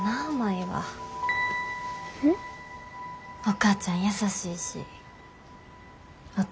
お母ちゃん優しいしお